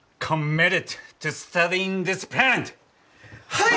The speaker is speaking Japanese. はい！